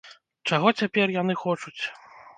Чаго цяпер яны хочуць?